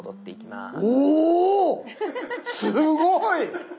すごい！